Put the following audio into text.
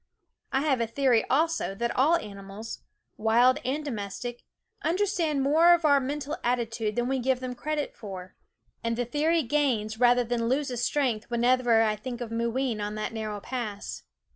I have a theory also that all animals, wild and domestic, understand more of our men tal attitude than we give them credit for ; and SCHOOL OF 162 Ti)hen You Meef the theory gains rather than loses strength whenever I think of Mooween on that nar row pass.